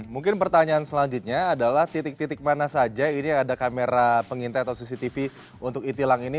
mungkin pertanyaan selanjutnya adalah titik titik mana saja ini ada kamera pengintai atau cctv untuk e tilang ini